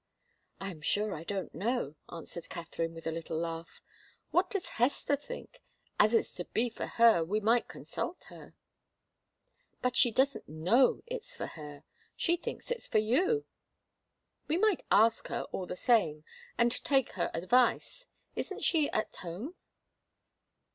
"I'm sure I don't know," answered Katharine, with a little laugh. "What does Hester think? As it's to be for her, we might consult her." "But she doesn't know it's for her she thinks it's for you." "We might ask her all the same, and take her advice. Isn't she at home?"